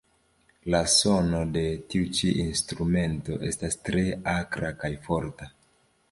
La sono de tiu ĉi instrumento estas tre akra kaj forta.